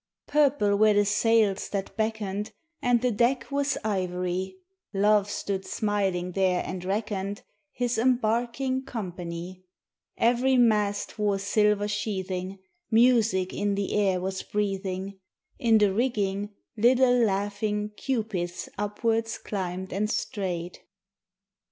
Purple were the sails that beckoned And the deck was ivory, Love stood smiling there and reckoned His embarking company; Every mast wore silver sheathing, Music in the air was breathing, In the rigging little laughing cupids upwards climbed and strayed.